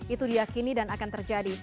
itu diakini dan akan terjadi